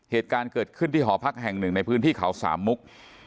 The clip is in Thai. เหตุการณ์เกิดขึ้นที่หอพักแห่งหนึ่งในพื้นที่เขาสามมุก